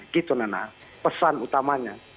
gitu nana pesan utamanya